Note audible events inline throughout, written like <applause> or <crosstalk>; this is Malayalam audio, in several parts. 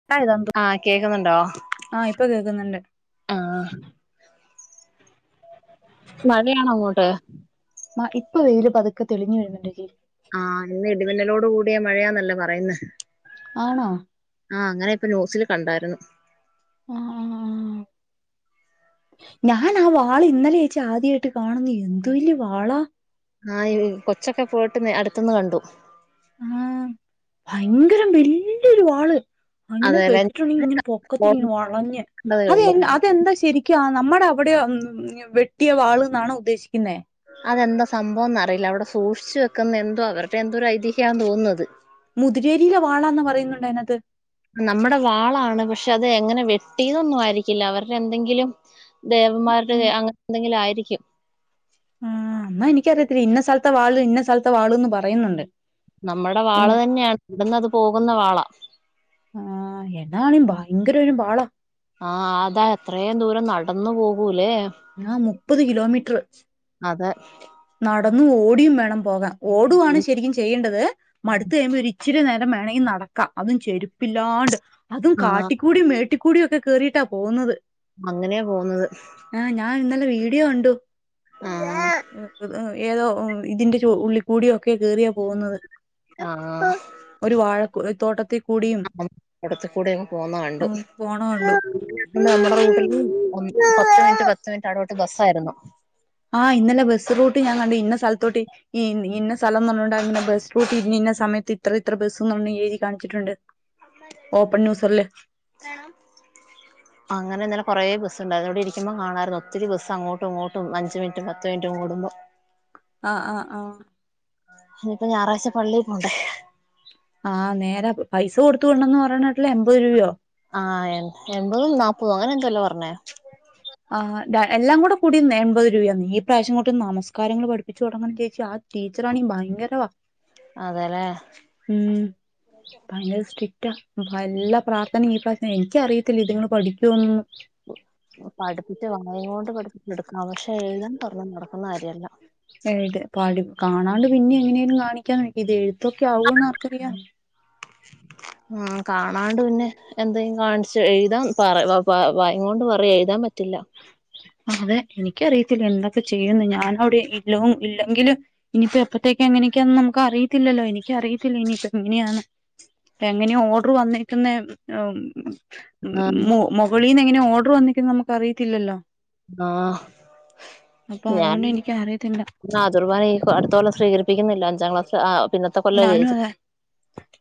<unintelligible> ആഹ കേൾക്കുന്നുണ്ടോ? ആഹ ഇപ്പൊ കേൾക്കുന്നുണ്ട് മഴയാണ അങ്ങോട്ട് മ ഇപ്പൊ വെയിലും പതുക്കെ തെളിഞ്ഞ് വരുന്നുണ്ട്. ആഹ് ഇന്ന് ഇടിമിന്നലോട് കൂടിയാ മഴയാന്നല്ല പറയ്ന്ന ആണോ? ആഹ അങ്ങനെ ഇപ്പൊ ന്യൂസിൽ കണ്ടായിരുന്നു. ആഹ് ആഹ് ആഹ് <inaudible> ഞാൻ ആ വാള് ഇന്നലെ ചേച്ചി ആദ്യായിട്ട് കാണുന്ന എന്തു വല്യ വാളാ. ആ കൊച്ചൊക്കെ പോയിട്ട് അടുത്ത്ന്ന് കണ്ടു. ആഹ ഭയങ്കരം വല്യൊരു വാള് അങ്ങനെ അതേലെ വെച്ചിട്ടുണ്ടെങ്കിൽ ഇങ്ങനെ പൊക്കത്തിൽ വളഞ്ഞ് ണ്ടതേ അത് ഉള്ളൂ അതെന്താ ശരിക്കും. നമ്മുടെ അവിടെ വെട്ടിയ വാള് ന്നാണോ ഉദ്ദേശിക്കുന്നേ അതെന്താ സംഭവന്ന് അറിയില്ല അവിടെ സൂക്ഷിച്ച് വെക്കുന്ന എന്തോ അവരുടെ എന്തോ ഒരു ഐതിഹ്യമാണ് തോന്നുന്നത്. മുതിരേരിയിലെ വാളാ എന്ന് പറയുന്നുണ്ടായിന്നത്. നമ്മുടെ വാളാണ് പക്ഷെ അത് എങ്ങനെ വെട്ടിന്നന്നും ആയിരിക്കില്ല അവരുടെ എന്തെങ്കിലും. ദേവന്മാരുടെ ഉം അങ്ങനെ എന്തെങ്കിലും ആയിരിക്കും. ആ എന്നാ എനിക്കറിയത്തില്ല ഇന്ന സ്ഥലത്തെ വാള് ഇന്ന സ്ഥലത്തെ വാള്ന്ന് പറയുന്നുണ്ട്. നമ്മുടെ വാള ഇന്ന് തന്നെയാണ് ഇവിടന്ന് അത് പോകുന്ന വാള ആഹ എന്നാളും ഭയങ്കര ഒരു വാള് ആഹ അതാ എത്രയും ദൂരം നടന്നു പോകൂലേ ആ മുപ്പത് കിലോമീറ്റർ അതെ നടന്നു ഓടിയും വേണം പോകാ ഓടുവാണ് ശരിക്കും ചെയ്യേണ്ടത്. മടുത്ത് കഴിയുമ്പോൾ ഒരു ഇച്ചിരി നേരം വേണമെങ്കിൽ നടക്കാം അതും ചെരുപ്പില്ലാണ്ട് അതും ആഹ് കാട്ടിക്കൂടി മേട്ടി കൂടിയൊക്കെ കേയറിയിട്ടാ പോകുന്നത്. അങ്ങനെയാ പോകുന്നത്. ആഹ ഞാൻ ഇന്നല വീഡിയോ കണ്ടു. ആ ഏതോ ഇതിന്റെ ഉള്ളി കൂടിയൊക്കെ കേറിയാ പോകുന്നത്. ആഹ് ഒരു വാഴക്ക ആ അടുത്ത് കൂടെങ്ങ് പോന്ന കണ്ട് പോണ കണ്ടു പിന്നെ നമ്മുടെ റൂട്ടിൽ പത്ത് മിനിറ്റ് പത്ത് മിനിറ്റ് ഇടവിട്ട് ബസ്സായിരുന്നു. ആഹ് ഇന്നലെ ബസ് റൂട്ട് ഞാൻ കണ്ടു ഇന്ന സ്ഥലത്തോട്ട് ഈ ഇന്ന സ്ഥലം എന്ന് പറഞ്ഞാണ്ട് അങ്ങെ ബസ് റൂട്ടി ഇന്ന സമയത്ത് ഇത്ര ഇത്ര ബസ്ന്ന് എഴുതി കാണിച്ചിട്ടുണ്ട്. ഓപ്പെൺ ന്യൂസുകൾൽ <unintelligible> അങ്ങനെ ഇന്നലെ കൊറെ ബസ് ഉണ്ടായിരുന്നു ഇവടെ ഇരിക്കുമ്പോ കാണായിരുന്നു ഒത്തിരി ബസ് അങ്ങോട്ടും ഇങ്ങോട്ടും അഞ്ച് മിനിറ്റ് പത്ത് മിനിറ്റ് കൂടുമ്പം ആഹ് ആഹ് ആഹ് ഇഞ്ഞിപ്പം ഞായറാഴ്ച്ച പള്ളി പോണ്ടെ? ആഹ് നേരാ പൈസ കൊടുത്തു വിടെണംന്ന് പറിണെ കേട്ടല്ലോ എമ്പത് രൂപയോ? ആഹ് എം എമ്പതും നാപ്പതും അങ്ങനെ എന്തോ അല്ലെ പർണെ? ആഹ് ഡാ എല്ലാം കൂടെ കൂടിന്നെ എമ്പെത് രൂപയാന്നെ ഈ പ്രാവ്ശ്യം അങ്ങോട്ട് നമസ്കാരങ്ങൾ പഠിപ്പിച്ച് തൊടങ്ങാന് ചേച്ചി ആ ടീച്ചെർ ആണെങ്കി ഭയങ്കരവാ അതെ ലെ ഉം ഭയങ്കര സ്ട്രിക്റ്റാ വല്ല പ്രാർത്ഥനിം ഈ പ്രാവ്ശ്യം എനിക്ക് അറിയത്തില്ല ഇതിങ്ങൾ പഠിക്കോ ഒന്നും പഠിപ്പിച്ചാ വന്നെയ് കൊണ്ട് പഠിപ്പിച്ച് എടുക്കെണം പക്ഷെ എഴുതാൻ പറഞ്ഞാ നടക്കുന്ന കാര്യം അല്ല. എഴ്ത് പഠി കാണാണ്ട് പിന്നെ എങ്ങനെലും കാണിക്കാന്ന് വെക്കാ ഇത് എഴുത്തൊക്കെ ആവൂന്ന് ആർക്കറിയാ ആഹ് കാണാണ്ട് പിന്നെ എന്തെം കാണിച്ച് എഴുതാൻ പറ വ വ വായങ്ങൊണ്ട് പറിയാ എഴുതാൻ പറ്റില്ല. അതെ എനിക്കറിയത്തില്ല എന്താപ്പം ചെയ്യാന്ന് ഞാന് അവ്ടെ ഇല്ലോം ഇല്ലെങ്കിലും ഇനിയിപ്പോ എപ്പത്തേക്കാ എങ്ങനെയൊക്കെയാന്ന് നമുക്ക് അറിയത്തില്ലല്ലോ എനിക്ക് അറിയത്തില്ല ഇനിയിപ്പം എങ്ങനെയാന്ന് എങ്ങനെ ഓഡെർ വന്നേക്കുന്നേ എഹ് ഉം ഉം ആഹ് മു മുകളിലീന്ന് എങ്ങനെ ഓഡെർ വന്നെക്കുന്നെ നമുക്ക് അറിയത്തില്ലല്ലോ ആഹ് അപ്പൊ ഞാൻ അതുകൊണ്ട് എനിക്ക് അറിയത്തില്ല നാ കുർബാന ഇനിയിപ്പോ അടുത്ത കൊല്ലം സ്വീകരിപ്പിക്കിക്കുന്നില്ല അഞ്ചാം ക്ലാസ് ആ പിന്നത്തെ കൊല്ല ഞാനും ചേച്ചി അതെ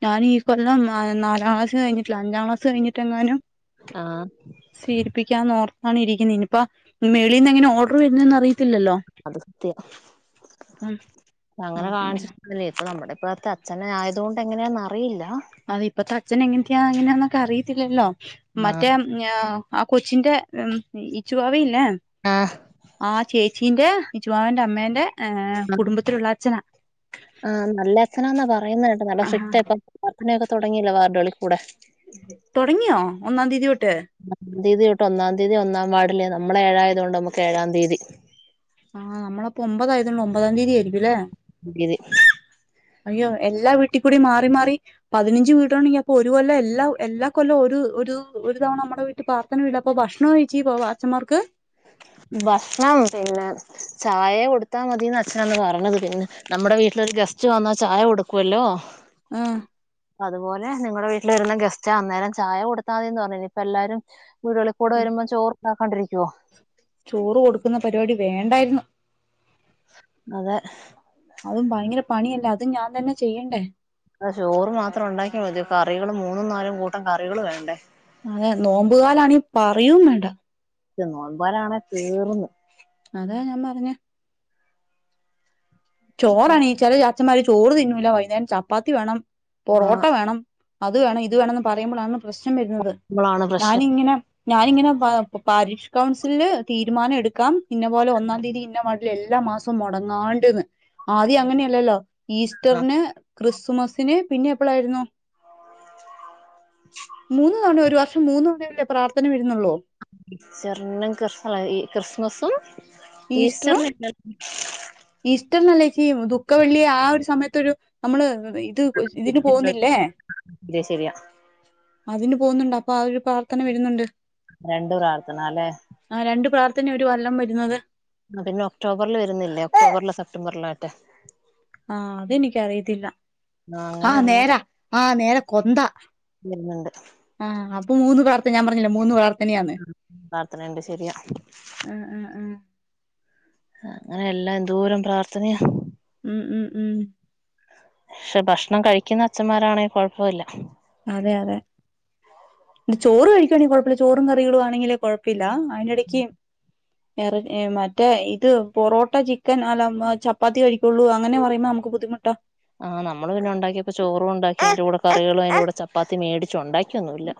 ഞാൻ ഈ കൊല്ലം അതെ നാലാം ക്ലാസ് കഴിഞ്ഞിട്ടില്ല അഞ്ചാം ക്ലാസ് കഴിഞ്ഞിട്ടെ എങ്ങാനും ആഹ് സ്വീരിപ്പിക്കാന്ന് ഓർത്താണ് ഇരിക്കുന്നെ ഇഞ്ഞ് ഇപ്പം മേളിന്ന് എങ്ങനെ ഓഡെർ വെരുന്നെന്ന് അറിയത്തില്ലല്ലോ അത് സത്യം അപ്പം ന്നാ അങ്ങനെ പിന്നെ കാണിച്ചി അത് അല്ലെയ് ഇപ്പ നമ്മുടെ ഇപ്പോഴത്തെ അച്ഛൻ ആയതോണ്ട് എങ്ങനെന്ന് അറിയില്ലാ. അത് ഇപ്പത്തെ അച്ഛൻ എങ്ങൻത്തെയാ അങ്ങനെയാന്നൊക്കെ അറിയത്തില്ലല്ലോ ആഹ് മറ്റേ ഞാ ആ കൊച്ചിന്റെ ഉം ഇച്ചു വാവിയില്ലെ ആഹ് ആ ചേച്ചീന്റെ ഇച്ചുവാവന്റെ അമ്മേന്റെ കുടുംബത്തിലുള്ള അച്ഛനാ ആഹ് നല്ല അച്ഛനാന്നാ പറയുന്നെ കേട്ടെ നല്ല ആഹ് സ്ട്രിക്ടാ ഇപ്പം പ്രാർഥനയൊക്കെ തെടങ്ങയല്ലോ വാർഡുകളി കൂടെ തൊടങ്ങിയോ ഒന്നാം തീയ്യതിതൊട്ട് ഒന്നാം തീയ്യതി തൊട്ട് ഒന്നാം തീയ്യതി ഒന്നാം വാർഡിലെ നമ്മെൾ ഏഴായതു കൊണ്ട് നമുക്ക് ഏഴാം തീയ്യതി ആഹ് നമ്മളപ്പൊ ഒമ്പതായതു കൊണ്ട് ഒമ്പതാം തീയ്യതി ആയിരിക്കും ലെ തിയ്യതി അയ്യോ എല്ലാ വീട്ടി കൂടി മാറി മാറി പതിനഞ്ച് വീടാണെങ്കി അപ്പൊ ഒരു കൊല്ലം എല്ലാ എല്ലാ കൊല്ലും ഒരു ഒരു ഒരു തവണ നമ്മടെ വീ ട്ടി പാർത്ഥന ഇല്ല ഇപ്പൊ ഭക്ഷണോം കഴിച്ച് പോവാ അച്ചന്മാർക്ക് ഭക്ഷണം പിന്നെ ചായ കൊട്ത്താ മതിന്നാ അച്ഛൻ അന്ന് പർണത് പിന്നെ നമ്മുടെ വീട്ടിലൊരു ഗസ്റ്റ് വന്നാ ചായ കൊടുക്കുവല്ലോ ആഹ് അതുപോലെ നിങ്ങളെ വീട്ടിൽ വെരുന്ന ഗസ്റ്റാ അന്നേരം ചായ കൊടുത്താ മതിന്ന് പർണിനി ഇപ്പ എല്ലാരും ഉരളിക്കൂടി വരുമ്പോ ചോറുണ്ടാക്കിക്കൊണ്ടിരിക്കുവോ ചോറ് കൊടുക്കുന്ന പരിപാടി വേണ്ടായിരുന്നു അതെ അതും ഭയങ്കര പണിയല്ലേ അതും ഞാൻ തന്നെ ചെയ്യണ്ടേ അതോ ചോറ് മാത്രം ഉണ്ടാക്കിയ മതിയൊ കറികളും മൂന്നും നാലും കൂട്ടം കറികൾ വേണ്ടേ അതെ നോമ്പുകാലാണെങ്കിൽ പറയും വേണ്ട സത്യം നോയമ്പ് കലാണെ തീർന്ന് അതാ ഞാൻ പറഞ്ഞെ ചോറണി ചെല അച്ചന്മാര് ചോറ് തിന്നുല വൈകുന്നേരം ചപ്പാത്തി വേണം പൊറോട്ട വേണം അതു വേണം ഇതു വേണോന്ന് പറയുമ്പുളാണ് പ്രശ്നം വരുന്നത് മ്പളാണ് പ്രശ്നം ഞാനിങ്ങനെ ഞാനിങ്ങനെ പാരീക്ഷ്കൗൺസിലില് തീരുമാനം എടുക്കാം ഇന്ന പോലെ ഒന്നാം തീയതി ഇന്ന വ എല്ലാ മാസവും മുടങ്ങാണ്ട്ന്ന് ആദ്യം അങ്ങനെയല്ലല്ലോ ഈസ്റ്ററിന് ക്രിസ്തുമസിന് പിന്നെ എപ്പോളായിരുന്നു മൂന്ന് തവണ ഒരു വർ ഷം മൂന്ന് തവണയല്ലേ പ്രാർത്ഥന വരുന്നുള്ളൂ ഈസ്റ്ററിനും ക്രിസ്മസും ഈസ്റ്ററിനും ഈസ്റ്ററിന് അല്ലേച്ചി ദുഃഖവെള്ളി ആ ഒരു സമയത്തൊരു നമ്മള് ഇത് ഇതിന് പോന്നില്ലേ ശരിയാ അതിന് പോന്നുണ്ട് അപ്പൊ അതിന് ഒരു പ്രാർത്ഥന വരുന്നുണ്ട് രണ്ടു പ്രാർത്ഥന ല്ലേ ആഹ് രണ്ട് പ്രാർത്ഥന ഒരു കൊല്ലം വരുന്നത് ആഹ് പിന്നെ ഒക്ടോബറിൽ വരുന്നില്ലേ ഒക്ടോബറിലോ സെ്റ്റംബറിലോറ്റേ ആഹ് അത് എനിക്ക്‌ അറിയത്തില്ല ആ ആഹ് അങ്ങനെയെല്ലാം നേരാ ആഹ് നേരാ കൊന്താ വരുന്നുണ്ട് ആഹ് അപ്പൊ മൂന്ന് പ്രാർത് ഞാൻ പറഞ്ഞില്ല മൂന്ന് പ്രാർ ഉം പ്രാർത്ഥനയുണ്ട് ശരിയാ ആഹ് ആഹ് ആഹ് ആഹ് അങ്ങനെ എല്ലാം എന്തൂരം പ്രാർത്ഥനയ ഉം ഉം ഉം പക്ഷെ ഭക്ഷണം കഴിക്കുന്ന അച്ചന്മാരാണെ കൊ ഴപ്പോല്ല അതെ അതെ ചോറ് കഴിക്കുവാണെങ്കി കൊഴപ്പില്ല ചോറും കറികളും ആണെങ്കിലെ കോഴപ്പില്ല അതിനി ടക്ക് വേറെ മറ്റേ ഇത് പൊറോട്ട ചിക്കൻ അല്ല ചപ്പാത്തി കഴിക്കൊള്ളൂ അങ്ങനെ പറയുമ്പോ നമുക്ക് ബുദ്ധിമുട്ടാ ആഹ് നമ്മൾ പിന്നെ ഉണ്ടാക്കിയപ്പോ ചോറും ഉണ്ടാക്കി അയിന്റെ കൂടെ കറികളും അയിന്റെ കൂടെ ചപ്പാത്തി മേടിച്ച് ഉണ്ടാക്കി ക്കൊന്നുല്ല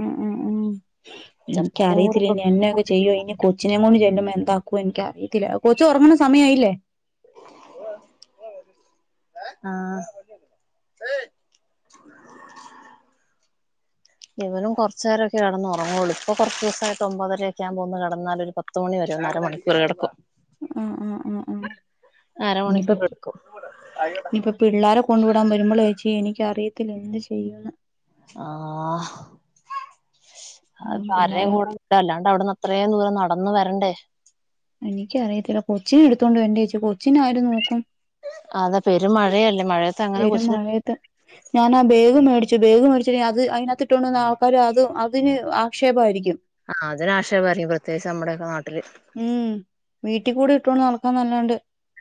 ഉം ഉം ഉം <unintelligible> കൊച്ചിനേം കൊണ്ട് ചെല്ലുമ്പോ എന്താക്കോ എനിക്ക്‌ അറിയില്ല കൊച്ചു ഉറങ്ങണ സമയയില്ലേ ആഹ് ഇവനും കൊറചേരൊക്കെ കിടന്നുറങ്ങൊള്ളൂ ഇപ്പോ കുറച്ചേസായിട്ട് ഒമ്പതരൊക്കെ ആവുമ്പോ ഒന്നു കെടന്നല് ഒരു പ ത്തു മണി വരെ ഒരു അര മണിക്കൂർ കിടക്കും ആഹ് ആഹ് ആഹ് ആഹ് ഇനിപ്പ അരമണിക്കൂർ എടുക്കും ഇനിപ്പ പിള്ളരെ കൊണ്ടു വിടാൻ വരുമ്പോളേച്ചി എനിക്ക്‌ അറിയത്തില്ല എന്ത് ചെയ്യുന്ന് ആഹ് അതിപ്പ ആരേം പിള്ളേരെ കൂടാ വിട്ട അല്ലാണ്ട് അവിടുന്ന് അത്രയും ദൂരം നടന്ന് വരണ്ടേ എനിക്ക്‌ അറിയത്തില്ല കൊച്ചിനെടുത്തോണ്ട് വരണ്ടേച്ചി കൊച്ചിനെ ആരു നോക്കും അതാ പെരും മഴയല്ലേ മഴയ പെരും മഴയത്ത് ഞാനാ ബേഗ് മേടിച്ചു. ബേഗ് മേടിച്ചതിന് അത് അയിനകത്ത് ഇട്ടോണ്ടന്ന ആൾക്കാര് അത് അതിന് ആക്ഷേപായിരിക്കും. ആഹ് അതിന് ആക്ഷേപായിരിക്കും. പ്രത്യേകിച്ച് നമ്മടെ ഒക്കെ നാട്ടില്. ഉം വീട്ടികൂടി ഇട്ടോണ്ട് നടക്ക്വാന്നല്ലാണ്ട്.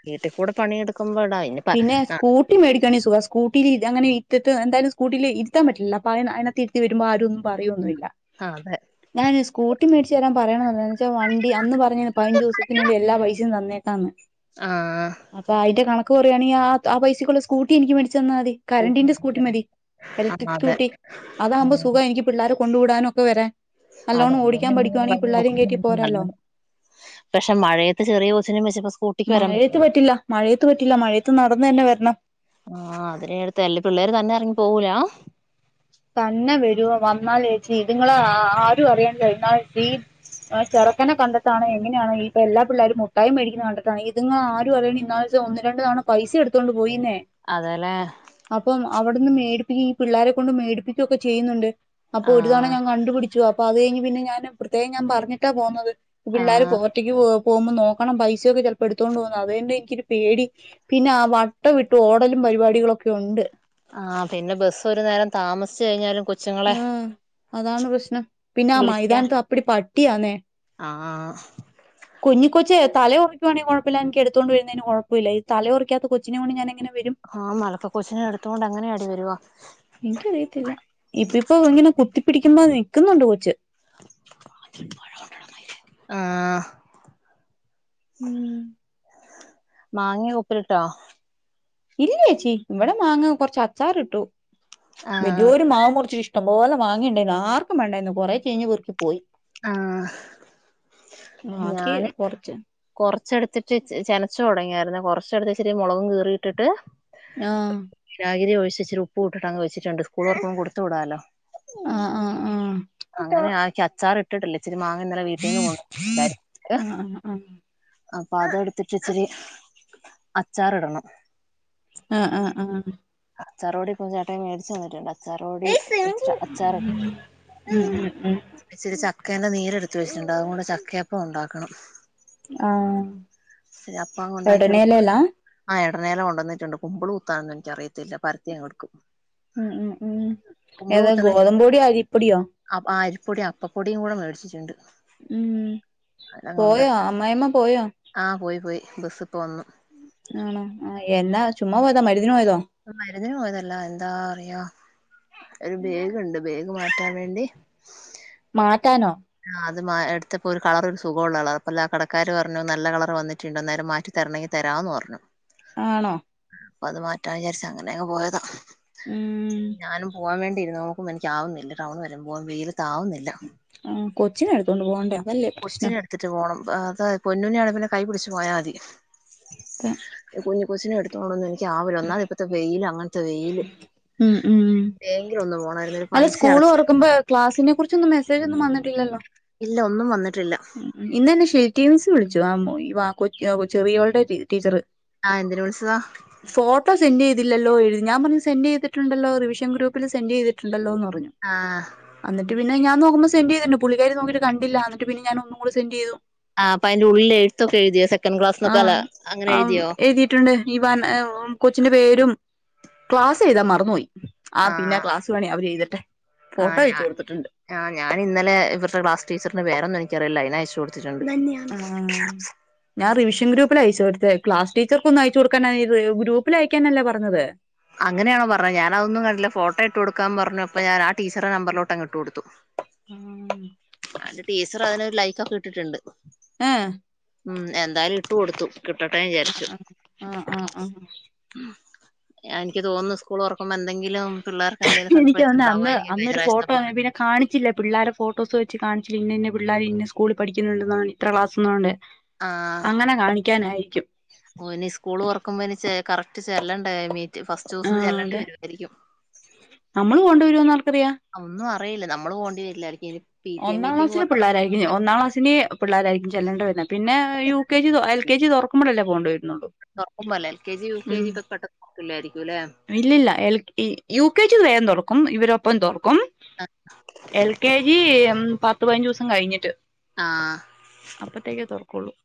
വീട്ടികൂടെ പണിയെടുക്കുമ്പോ ഇടാ ആയിനിപ്പ പിന്നെ അഹ് സ്കൂട്ടി മേടിക്കാണെങ്കിൽ സുഖാ. സ്കൂട്ടിയില് ഇ അങ്ങനെ ഇത്തിത്തു എന്തായാലും സ്കൂട്ടിയിൽ ഇരുത്താൻ പറ്റില്ലലോ. അപ്പ അയിനാ അതിനകത്ത് ത്തി വരുമ്പോ ആരു ഒന്നും പറയൊന്നുമില്ല. ആഹ് അതെ ഞാൻ ഒര് സ്കൂട്ടി മേടിച്ചുതരാൻ പറയണോന്ന് വെച്ചാ വണ്ടി അന്ന് പറഞ്ഞി പയിഞ്ചുസത്തിനുള്ളി എല്ലാ പൈസയും തന്നേക്കാന്ന്. ആഹ് അപ്പ അയിന്റെ കണക്ക് പറയുവാണെങ്കി ആഹ് അത ആ പൈശക്കുള്ള സ്കൂട്ടി എനിക്ക് മേടിച്ചു തന്നാ മതി. കറണ്ടിന്റെ സ്കൂട്ടി മതി. ആഹ് ഇലക്ട്രിക് അതെ സ്കൂട്ടി. അതാകുമ്പോൾ ഉം. സുഖം എനിക്ക് പിള്ളാരെ കൊണ്ട് വിടാനും ഒക്കെ വരാൻ. അതെ നല്ലോണം അങ്ങനെ ഓടിക്കാൻ എന്തെങ്കിലും പഠിക്കുവാണെങ്കി വഴി പിള്ളോരേം കേറ്റി പോരാല്ലോ പക്ഷേ മഴയത്ത് ചെറിയ കൊച്ചിനേം വെച്ചപ്പോ സ്കൂട്ടിക്ക് വരാൻ പറ്റും മഴയത്ത് പറ്റില്ല. മഴയത്ത് പറ്റില്ല. മഴയത്ത് നടന്ന് തന്നെ വരണം. ആഹ് അതിന് അടുത്ത് അല്ലേ പിള്ളേര് തന്നെ എറങ്ങി പോവൂല തന്നെ വരുവോ? വന്നാലേച്ചി ഇതുങ്ങളെ അഹ് ആരും അറിയണ്ടേ. എന്നാൽ ഈ ആ ചെറുക്കനെ കണ്ട ട്ടാണോ എങ്ങനെയാണോ? ഈ ഇപ്പോ എല്ലാ പിള്ളേരും മുട്ടായി മേടിക്കുന്നത് കണ്ടിട്ടാണ്, ഇത്ങ്ങൾ ആരു അറിയുന്നില്ല. ഇന്നാളൊരീസം ഒന്ന് രണ്ട് തവണ പൈസ എടുത്തോണ്ട് പോയിന്നേ അതല്ലേ അപ്പം അവിടുന്ന് മേടിപ്പിക്ക ഈ പിള്ളാരെക്കൊണ്ട് മേടിപ്പിക്ക്വോക്കെ ചെയ്യുന്നുണ്ട്. അപ്പോ ഒരു തവണ ആഹ് ഞാൻ കണ്ടുപിടിച്ചു. അപ്പ അത് കഴിഞ്ഞ് പിന്നെ ഞാന് പ്രത്യേകം ഞാൻ പറഞ്ഞിട്ടാ പോന്നത്. പിള്ളേര് പോ ആഹ് ഒറ്റയ്ക്ക് പോ പോവുമ്പോ നോക്കണം. പൈസയൊക്കെ ചെലപ്പോ എടുത്തോണ്ട് പോകുന്നു. അതുകൊണ്ട് എനിക്കൊരു പേടി പിന്നെ ആ വട്ടവിട്ട് ഓടലും പരിപാടികളൊക്കെയുണ്ട്. ആഹ് പിന്നെ ബസ് ഒരു നേരം താമസിച്ച് കഴിഞ്ഞാലും കൊ ഉം അതാണ് പ്രശ്നം. പിന്നെ ആ വിളിക്കാൻ മൈതാനത്ത് അപ്പടി പട്ടിയാന്നേ ആഹ് കുഞ്ഞികൊച്ചേ തല ഒറയ്ക്കുവാണെങ്കിൽ കൊഴപ്പല്ല്യ. എനിക്ക് എടുത്തോണ്ട് വരുന്നതിന് കൊഴപ്പമില്ല ഈ തല ഒറക്കാത്ത കൊച്ചിനേം കൊണ്ട് ഞാനെങ്ങനെ വരും? ആഹ് മലർക്കേ കൊച്ചിനെ എടുത്തോണ്ട് എങ്ങിനെയാടി വരുവാ? എനിക്കറിയത്തില്ല. ഇപ്പപ്പ ഇങ്ങനെ കുത്തിപ്പിടിക്കുമ്പോ നിക്കുന്നുണ്ട് കൊച്ച്. <unintelligible> അഹ് ഉം മാങ്ങീ ഉപ്പിലിട്ടോ? ഇല്ല്യേച്ചി, ഇവിടെ മാങ്ങ കൊറച്ച് അച്ചാറിട്ടു. ആഹ് വല്യോരു മാവ് മുറിച്ചു. ഇഷ് ട്ടം പോലെ മാങ്ങേണ്ടെയ്ന്നു. ആർക്കും വേണ്ടായിന്നു. കൊറേ ചീഞ്ഞു വീർത്ത് പോയി. ആഹ് ബാക്കി ഞാന് കൊർച്ച് കൊറച്ചെടുത്തിട്ട് ച് ചെനച്ചു തൊടങ്ങിയാരുന്നേ. കൊറച്ചടുത്ത് വച്ചിട്ട് മൊളകും കീറിയിട്ടിട്ട് ആഹ് വിനാഗിരി ഒഴിച്ച് ഇച്ചിരി ഉപ്പും ഇട്ടിട്ടങ്ങ് വെച്ചിട്ടുണ്ട്. സ്കൂളൊറക്കുമ്പോ കൊടുത്ത് വിടാലോ. ആഹ് ആഹ് അങ്ങനെ ആഹ് ഇയ്ക്ക് അച്ചാർ ഇട്ടിട്ടില്ലേ, ഇച്ചിരി മാങ്ങ ഇന്നലെ വീട്ടിൽ നിന്ന് കൊ <unintelligible> ആഹ് ആഹ് ആഹ് അപ്പ അതെടുത്തിട്ട് ഇച്ചിരി അച്ചാർ ഇടണം. അഹ് ആഹ് ആഹ് അച്ചറ് പൊടി ഇപ്പം ചേട്ടൻ മേടിച്ചു തന്നിട്ടുണ്ട്. അച്ചാറു പൊടി അച്ചാറും. ഉം ഉം ഉം ഇച്ചിരി ചക്കേന്റെ നീരെടുത്ത് വെച്ചിട്ടുണ്ട്. അതുകൊണ്ട് ചക്കയപ്പം ഉണ്ടാക്കണം. ആഹ് രപ്പ <unintelligible> ഉണ്ടാക്കി എടുക്കും. എടനേലേലാ വടനേല കൊണ്ടുവന്നച്ച്ണ്ട്. കുമ്പിൾ കുത്താൻ എനിക്ക അറിയത്തില്ല. പരത്തിയങ് എടുക്കും. ഉം ഉം ഉം കുമ്പളു ഏതാ കുത്തന ഗോതമ്പൊടിയോ അരിപ്പൊടിയോ ആ അരിപ്പൊടിയും അപ്പപ്പൊടിയും കൂടെ മേടിച്ചിട്ടുണ്ട്. ഉം പോയോ അമ്മായ്മ്മ പോയോ ആഹ് പോയി പോയി ബസ്സിപ്പോ വന്നു ആണോ ആ എന്നാ ചുമ്മാ പോയതാ മരുന്ന്ന് പോയതോ മരുന്നിന് പോയതല്ല എന്താ അറിയാ ഒരു ബേഗുണ്ട് ബേഗ് മാറ്റാൻ വേണ്ടി മാറ്റാനോ ആ അത് എടുത്തപ്പോ ഒരു കളർ ഒരു സുഖള്ളളർ അപ്പ അല്ല കടക്കാര് പറഞ്ഞു നല്ല കളർ വന്നിട്ടുണ്ട അന്നേരം മാറ്റി തരണെങ്കി തരാന്ന് പറഞ്ഞു ആണോ അപ്പൊ അത് മാറ്റാൻ വിചാരിച്ച അങ്ങനെ അങ് പോയതാ ഉം ഞാനും പോവാൻ വേണ്ടിരുന്നു ഒപ്പം എനിക്കാവുന്നില്ല ടൗൺ വരുമ്പ പോകൻ വെയിലത്ത ആവുന്നില്ല ആഹ് കൊച്ചിനെ എടുത്തോണ്ട് പോണ്ടേ കൊച്ചിനെ എടുത്തിട്ട് പോണം അതാത് പൊന്നുനെയാണങ്കിൽ പിന്നെ കൈ പിടിച്ച് പോയാൽ മതി തെ കുഞ്ഞ് കൊച്ചിനെ എടുത്തോണ്ടന്ന് എനിക്ക് ആവില്ല ഒന്നാത് ഇപ്പത്തെ വെയില് അങ്ങൻത്തെ വെയില് <unintelligible> ഒന്ന് പോണായിരുന്നു അത് സ്കൂള് തുറക്കുമ്പോ ക്ലാസിനെ കുറിച്ചൊന്നും മെസ്സേജ് ഒന്നും വന്നിട്ടില്ലല്ലോ ഇല്ല ഒന്നും വന്നിട്ടില്ല ഉം ഇന്നന്നെ ഷെൽറ്റി മിസ് വിളിച്ചു ആമ്മോ വാ കൊ ചെറിയോളുടെ ടീച്ചറ് ആഹ് എന്തിന് വിളിച്ചതാ ഫോട്ടോ സെൻ്റ് ചെയ്തില്ലല്ലോ <unintelligible> ഞാൻ പർഞ് സെൻറ് ചെയ്ട്ടുണ്ടല്ലോ റിവിഷൻ ഗ്രൂപ്പിൽ സെൻ്റ് ചെയ്തി ട്ടുണ്ടല്ലോ എന്ന് പറഞ്ഞു ആഹ് അന്നിട്ട് പിന്നെ ഞാൻ നോക്കുമ്പോ സെൻ്റ് ചെയ്തിരുന്നു പുള്ളികാരി നോക്കിയിട്ട് കണ്ടില്ല എന്നിട്ട് പിന്നെ ഞാൻ ഒന്നുകൂടെ സെന്റ് ചെയ്തു ആഹ് അപ്പ അയ്ന്റെ ഉള്ളിൽ എഴുത്ത ഒക്കെ എഴ്തിയോ സെക്കൻഡ് ക്ലാസ്ക്ക അങ്ങനെ എഴുതിയോ ട്ടുണ്ട് <unintelligible> കൊച്ചിന്റെ പേരും ക്ലാസെയ്താ മറന്ന് പോയി ആ പിന്നെ ആഹ് ക്ലാ ണ അവര് എഴ്തട്ടെ ഫോട്ടോ ആഹ് ഞാ വെച്ച് കൊടുത്തിട്ടുണ്ട് ആഹ് ഞാന് ഇന്നലെ ഇവരുടെ ക്ലാസ്ടീച്ചറിന് പേരൊന്നും എനിക്കറിയില്ല അയ്ന് അയച്ചു കൊടുത്തിട്ടുണ്ട് ആഹ് ഞാൻ റിവിഷൻ ഗ്രൂപ്പിൽ അയച്ചു കൊടുത്ത് ക്ലാസ് ടീച്ചർക്ക് ഒന്നും അയച്ച് കൊടുക്ക <unintelligible> ഗ്രൂപ്പിൽ അയക്കാനല്ലേ പറഞ്ഞത് അങ്ങനെയാണോ പറഞ്ഞ ഞാനതൊന്നും കണ്ടില്ല ഫോട്ടോ ഇട്ട് കൊടുക്കാൻ പറഞ്ഞപ്പോ ഞാൻ ടീച്ചറെ നമ്പറിലോട്ട് അങ്ങ് ഇട്ട് കൊടുത്തു അത് ടീച്ചർ അയ്നൊരു ലൈക്കൊക്കെ ഇട്ടിട്ടുണ്ട് ഏഹ് ഉം എന്തായാലും ഇട്ട് കൊടുത്തു കിട്ടട്ടെ ന്ന് വിചാരിച്ചു ആഹ് ആഹ് ആഹ് ആ എനിക്ക് തോന്നുന്നു സ്കൂൾ തുറക്കുമ്പോ എന്തെങ്കിലും പിള്ളേർക്ക് എന്തെലും എനിക്ക് സർപ്രൈസ് തോന്നുന്നു അന്ന് ഉണ്ടാവായിരിക്കും കഴിഞ്ഞ അന്നൊരു പ്രാവശ്യത്തെ ഫോട്ടോ പോലെ പിന്നെ കാണിച്ചില്ല പിള്ളോരെ ഫോട്ടോസ് വെച്ച് കാണിച്ചില്ല പിന്ന ഇന്ന പിള്ളേർ ഇന്നെ സ്കൂളിൽ പഠിക്കുന്നുണ്ടന്നാണ് ഇത്ര ക്ലാസ്ന്ന കൊണ്ട് ആഹ് അങ്ങനെ കാണിക്കാനായിരിക്കും ഓഹ് ഇനി സ്കൂളൊറക്കുമ്പോ ഇനി ചേ കറക്ട് ചെല്ലണ്ടേ മീ ഫസ്റ്റൂസം ആഹ് അതെ ചെല്ലേണ്ടിവരുവായിരിക്കും നമ്മള് കൊണ്ടുവരുമോന്ന് ആർക്കറിയാം ഒന്നും അറിയില്ല നമ്മള് പോണ്ടി വരില്ലായിരിക്കുംനി ഒന്നാം ക്ലാസ്സിലെ പിള്ളോരായിരിക്കും ഒന്നാം ക്ലാസ്സിന് പിള്ളാരായിരിക്കും ചെല്ലേണ്ട പിന്നെ യു കെ ജി തൊ എൽ കെ ജി തൊർക്കുമ്പോഴല്ലേ പോണ്ടി വരുന്നുള്ളൂ തൊർക്കുമ്പൊല്ലേ L K G U K ഉം ജിയെക്കെ പെട്ടെന്ന് തൊറക്കില്ലാരിക്കുംല്ലേ ഇല്ലില്ല എൽക് ഈ യു കെ ജിയൊക്കെ വേഗം തൊറക്കും ഇവരൊപ്പം തൊറക്കും ആഹ് എൽ കെ ജി എം പത്ത് പതിനഞ്ചൂസം കഴിഞ്ഞിട്ട് ആഹ് കയ്ഞ്ഞേ തൊറക്കുവൊള്ളു